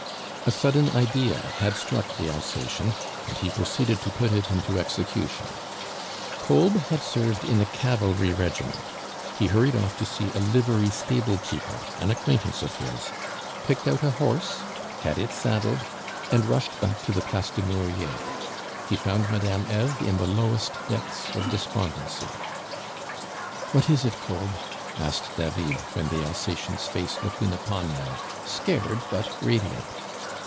A sudden idea had struck the Alsacien, and he proceeded to put it into execution. Kolb had served in a cavalry regiment; he hurried off to see a livery stable keeper, an acquaintance of his, picked out a horse, had it saddled, and rushed back to the Place du Murier. He found Madame Eve in the lowest depths of despondency. "What is it, Kolb?" asked David, when the Alsacien's face looked in upon them, scared but radiant.